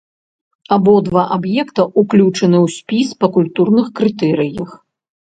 Абодва аб'екта ўключаны ў спіс па культурных крытэрыях.